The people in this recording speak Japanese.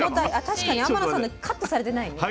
確かに天野さんのカットされてないね。